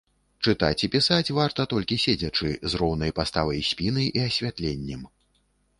Чытаць і пісаць варта толькі седзячы з роўнай паставай спіны і асвятленнем.